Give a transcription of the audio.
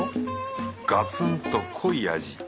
ガツンと濃い味。